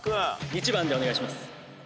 １番でお願いします。